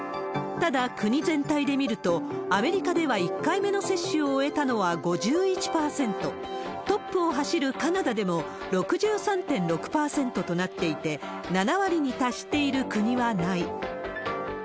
ただ、国全体で見ると、アメリカでは１回目の接種を終えたのは５１％。トップを走るカナダでも６３．６％となっていて、７割に達している国はない。